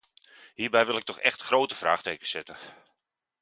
Hierbij wil ik toch echt grote vraagtekens zetten.